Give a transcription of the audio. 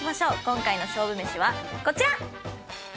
今回の勝負めしはこちら！